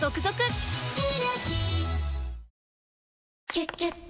「キュキュット」